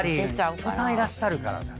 お子さんいらっしゃるから。